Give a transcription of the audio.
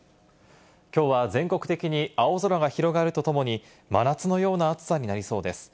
きょうは全国的に青空が広がるとともに真夏のような暑さになりそうです。